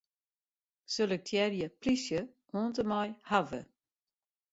Selektearje 'plysje' oant en mei 'hawwe'.